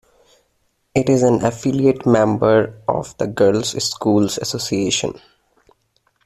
It is an affiliate member of the Girls' Schools Association.